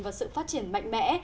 và sự phát triển mạnh mẽ